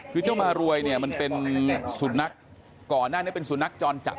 คือเจ้ามารวยเนี่ยมันเป็นสุนัขก่อนหน้านี้เป็นสุนัขจรจัด